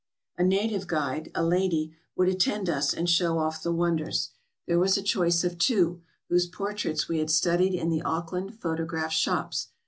A native guide, a lady, would attend us and show off the wonders. There was a choice of two, whose portraits we had studied in the Auckland photograph shops.